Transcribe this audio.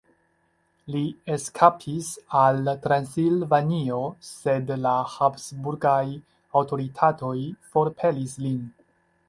Li eskapis al Transilvanio, sed la habsburgaj aŭtoritatoj forpelis lin.